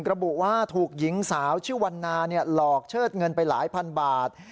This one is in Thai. ระบุว่าถูกหญิงสาวชื่อวันนาหลอกเชิดเงินไปหลายพันบาท